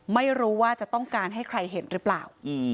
ไม่รู้ว่าจะต้องการให้ใครเห็นหรือเปล่า